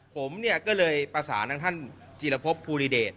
ผมเนี่ยก็เลยประสานทางท่านจีรพบภูริเดช